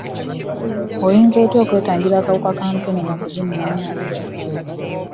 Olinza otya okwetangira akawuka ka mukenenya ku gino emyaka.